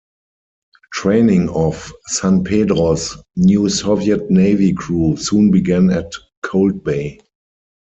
Training of "San Pedro"s new Soviet Navy crew soon began at Cold Bay.